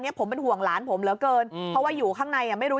ผมเป็นห่วงหลานผมเหลือเกินเพราะว่าอยู่ข้างในอ่ะไม่รู้